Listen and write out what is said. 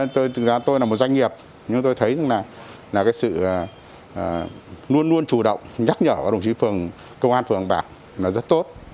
tôi là một doanh nghiệp nhưng tôi thấy sự luôn luôn chủ động nhắc nhở của đồng chí phường công an phường hàng bạc rất tốt